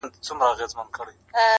پسرلی وایې جهاني دي پرې باران سي,